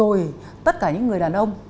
rồi tất cả những người đàn ông